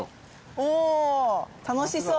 お楽しそう。